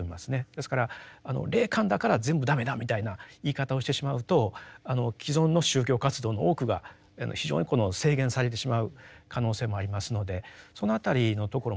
ですから霊感だから全部駄目だみたいな言い方をしてしまうと既存の宗教活動の多くが非常に制限されてしまう可能性もありますのでその辺りのところもですね